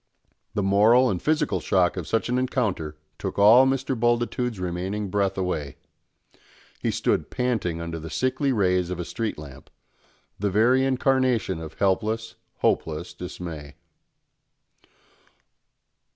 The moral and physical shock of such an encounter took all Mr. Bultitude's remaining breath away. He stood panting under the sickly rays of a street lamp, the very incarnation of helpless, hopeless dismay.